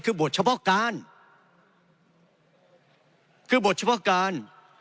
คือบทเฉพาะการ